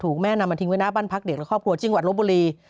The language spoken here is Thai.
แม่นำมาทิ้งไว้หน้าบ้านพักเด็กและครอบครัวจังหวัดลบบุรี